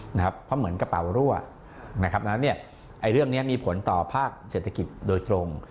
เพราะเหมือนกระเป๋ารั่วนะครับดังนั้นเรื่องนี้มีผลต่อภาคเศรษฐกิจโดยตรง